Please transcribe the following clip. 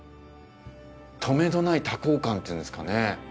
とめどない多幸感っていうんですかね。